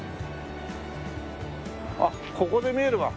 あっここで見えるわ。